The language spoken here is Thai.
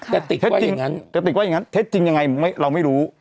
กระติกว่าอย่างนั้นเทดจริงอย่างไรเราไม่รู้